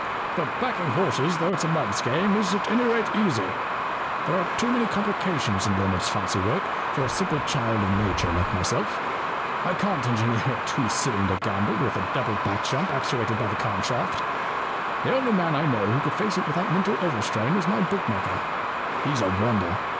But backing horses, though it*s a mug's game, is, at any rate, easy. There are too many complications in Leonard's fancy work for a simple child of Nature like myself. I can't engineer a two cylinder gamble with a double back jump actuated by the cam shaft. The only man I know who could face it without mental overstrain is my book maker. He's a wonder.